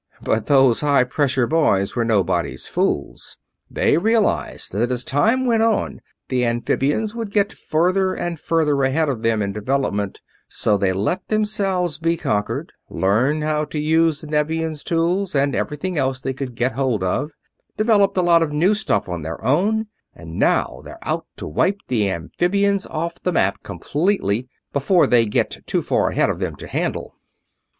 But those high pressure boys were nobody's fools. They realized that as time went on the amphibians would get further and further ahead of them in development, so they let themselves be conquered, learned how to use the Nevians' tools and everything else they could get hold of, developed a lot of new stuff of their own, and now they're out to wipe the amphibians off the map completely, before they get too far ahead of them to handle."